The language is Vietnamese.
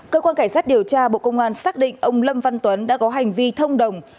cơ quan cảnh sát điều tra bộ công an xác định ông lâm văn tuấn đã có hành vi thông đồng